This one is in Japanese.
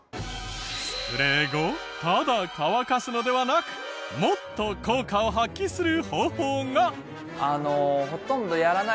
スプレー後ただ乾かすのではなくもっと効果を発揮する方法が。